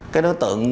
cái đối tượng